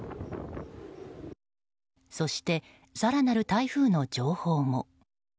そして、更なる台風の情報も。